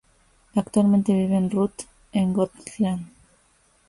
Actualmente vive en Rute, en Gotland.